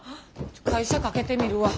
会社かけてみるわ。